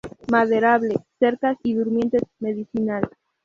Maderable, cercas y durmientes, medicinal.